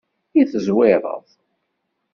I tezwireḍ?